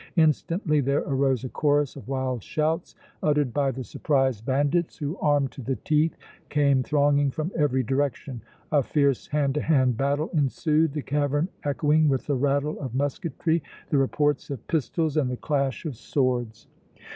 Instantly there arose a chorus of wild shouts uttered by the surprised bandits, who, armed to the teeth, came thronging from every direction. A fierce hand to hand battle ensued, the cavern echoing with the rattle of musketry, the reports of pistols and the clash of swords.